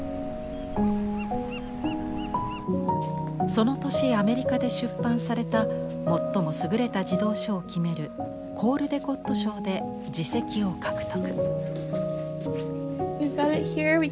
その年アメリカで出版された最も優れた児童書を決めるコールデコット賞で次席を獲得。